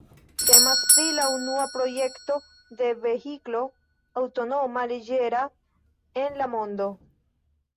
Temas pri la unua projekto de vehiklo aŭtomata leĝera en la mondo.